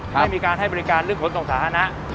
ไม่มีการให้บริการเรื่องขนส่งสาธารณะ